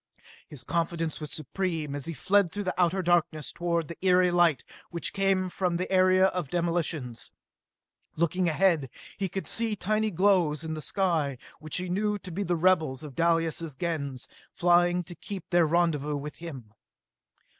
His confidence was supreme as he fled through outer darkness toward the eery light which came from the area of demolitions. Looking ahead, he could see tiny glows in the sky, which he knew to be the rebels of Dalis' Gens, flying to keep their rendezvous with him.